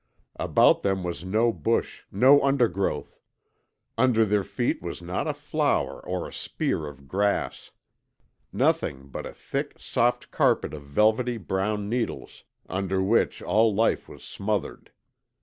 About them was no bush, no undergrowth; under their feet was not a flower or a spear of grass. Nothing but a thick, soft carpet of velvety brown needles under which all life was smothered.